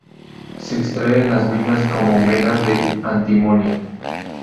Se extrae en las minas como mena del antimonio.